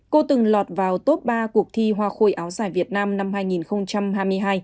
cô từng lọt vào top ba cuộc thi hoa khôi áo dài việt nam năm hai nghìn hai mươi hai